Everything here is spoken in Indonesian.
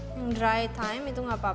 yang dry thyme itu enggak apa apa